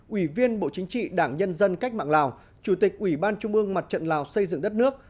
ủy viên bộ chính trị đảng nhân dân cách mạng lào chủ tịch ủy ban trung ương mặt trận lào xây dựng đất nước